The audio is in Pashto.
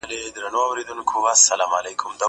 زه بايد مرسته وکړم؟!